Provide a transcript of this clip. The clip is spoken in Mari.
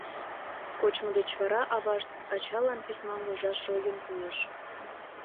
Кочмо деч вара авашт ачалан письмам возаш ойым пуыш.